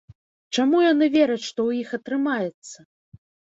Чаму яны вераць, што ў іх атрымаецца?